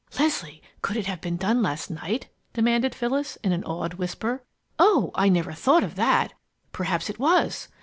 "Leslie, could it have been done last night?" demanded Phyllis, in an awed whisper. "Oh I never thought of that. Perhaps it was.